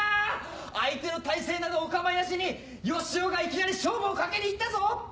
相手の態勢などお構いなしに良夫がいきなり勝負をかけに行ったぞ！